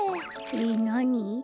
えっなに？